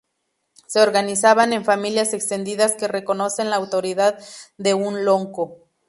Se organizaban en familias extendidas que reconocen la autoridad de un lonco.